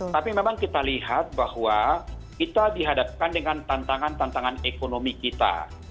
tapi memang kita lihat bahwa kita dihadapkan dengan tantangan tantangan ekonomi kita